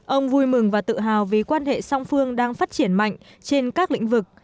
ông vui mừng và tự hào vì quan hệ song phương đang phát triển mạnh trên các lĩnh vực